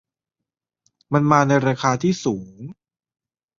มันมาในราคาที่สูง